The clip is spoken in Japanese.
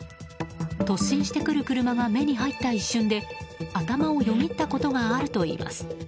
突進してくる車が目に入った一瞬で頭をよぎったことがあるといいます。